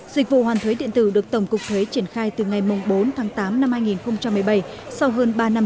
dịch vụ hoàn thuế điện tử được tổng cục thuế triển khai từ ngày bốn tháng tám năm hai nghìn một mươi bảy sau hơn ba năm